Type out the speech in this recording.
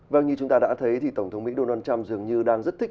vâng như chúng ta đã thấy thì tổng thống mỹ donald trump dường như đang rất thích